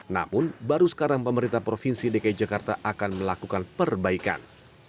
namun baru sekarang pemerintah provinsi dki jakarta akan melakukan perbaikan